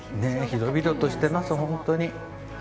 広々としてます、本当に。